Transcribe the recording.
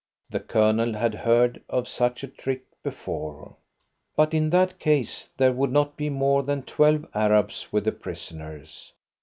The Colonel had heard of such a trick before. But in that case there would not be more than twelve Arabs with the prisoners.